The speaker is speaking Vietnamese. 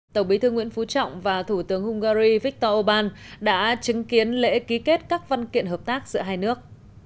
tổng bí thư nguyễn phú trọng và thủ tướng hungary viktor orbán đã chứng kiến lễ ký kết các văn kiện hợp tác giữa hai nước